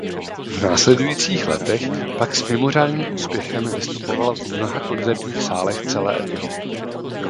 V následujících letech pak s mimořádným úspěchem vystupoval v mnoha koncertních sálech celé Evropy.